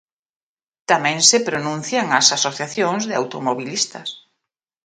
Tamén se pronuncian as asociacións de automobilistas.